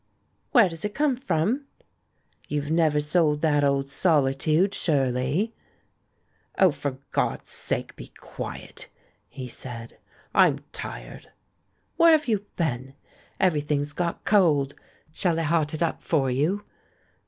"Where does it come from? You've never sold that old 'Solitude,' surely?" "Oh, for God's sake be quiet!" he said, "I'm tired." "Where have you been? Everything's got cold. Shall I hot it up for you?"